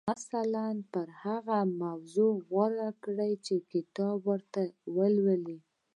مثلاً پر هغه موضوع غور وکړئ چې کتاب ورته لولئ.